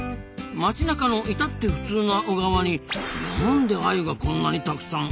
街なかの至って普通な小川になんでアユがこんなにたくさんいるんですかね？